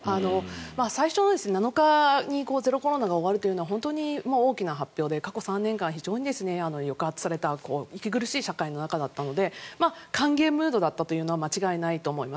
最初の７日にゼロコロナが終わるというのは本当に大きな発表で過去３年間、非常に抑圧された息苦しい社会の中だったので歓迎ムードだったというのは間違いないと思います。